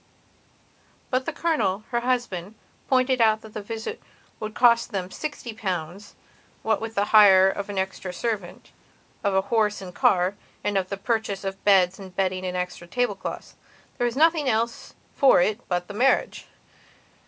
But the Colonel, her husband, pointed out that the visit would have cost them sixty pounds, what with the hire of an extra servant, of a horse and car, and with the purchase of beds and bedding and extra tablecloths. There was nothing else for it but the marriage.